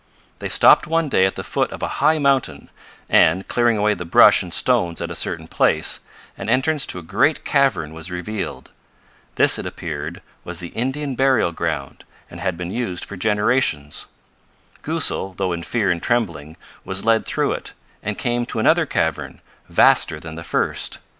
They stopped one day at the foot of a high mountain, and, clearing away the brush and stones at a certain place, an entrance to a great cavern was revealed. This, it appeared, was the Indian burial ground, and had been used for generations. Goosal, though in fear and trembling, was lead through it, and came to another cavern, vaster than the first.